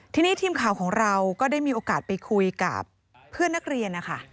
ทีนี้ทีมข่าวของเราก็ได้มีโอกาสไปคุยกับเพื่อนนักเรียนนะคะ